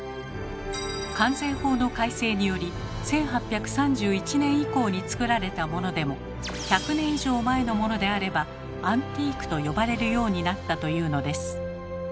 関税法の改正により１８３１年以降に作られたモノでも１００年以上前のモノであれば「アンティーク」と呼ばれるようになったというのです。